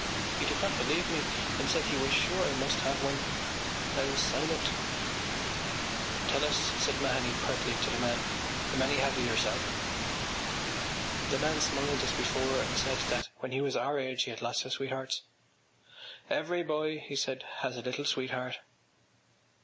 He did not believe me and said he was sure I must have one. I was silent. “Tell us,” said Mahony pertly to the man, “how many have you yourself?” The man smiled as before and said that when he was our age he had lots of sweethearts. “Every boy,” he said, “has a little sweetheart.